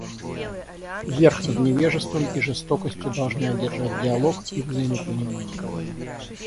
Верх над невежеством и жестокостью должны одержать диалог и взаимопонимание.